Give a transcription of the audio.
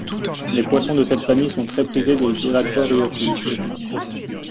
Les poissons de cette famille sont très prisés des aquariophiles.